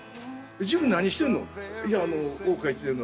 「自分何してんの？」。